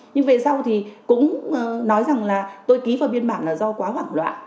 nhưng về sau thì cũng nói rằng là tôi ký vào biên bản là do quá hoảng loạn